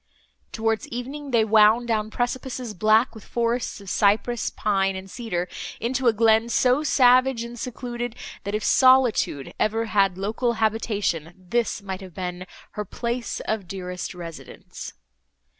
Towards evening, they wound down precipices, black with forests of cypress, pine and cedar, into a glen so savage and secluded, that, if Solitude ever had local habitation, this might have been "her place of dearest residence."